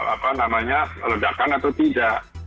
apa namanya ledakan atau tidak